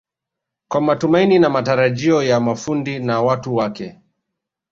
kwa matumaini na matarajio ya mafundi na watu wake